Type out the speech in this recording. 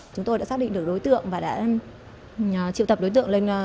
chúng tôi đã xác định được đối tượng và đã triệu tập đối tượng lên